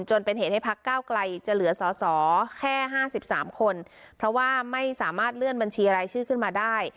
จนเป็นเหตุให้พักเก้าไกลจะเหลือสอสอแค่๕๓คนเพราะว่าไม่สามารถเลื่อนบัญชีรายชื่อขึ้นมาได้